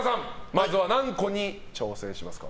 まずは何個に挑戦しますか。